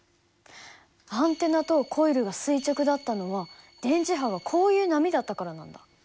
アンテナとコイルが垂直だったのは電磁波がこういう波だったからなんだ。